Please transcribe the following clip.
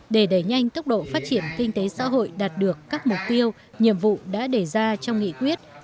để đẩy nhanh tốc độ phát triển kinh tế xã hội đạt được các mục tiêu nhiệm vụ đã đề ra trong nghị quyết